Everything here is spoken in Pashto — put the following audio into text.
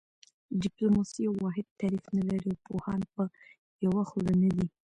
ډیپلوماسي یو واحد تعریف نه لري او پوهان په یوه خوله نه دي